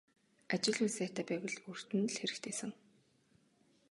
Ажил үйл сайтай байвал өөрт нь л хэрэгтэйсэн.